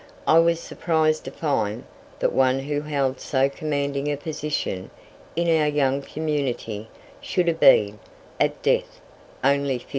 I was surprised to find that one who held so commanding a position in our young community should have been, at death, only 52.